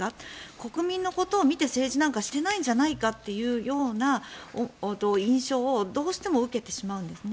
国民のことを見て、政治なんかしていないんじゃないかという印象をどうしても受けてしまうんです。